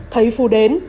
thấy phú đến